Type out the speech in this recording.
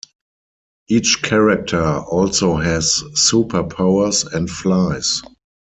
Each character also has super powers and flies.